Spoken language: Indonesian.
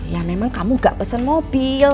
ya memang kamu gak pesen mobil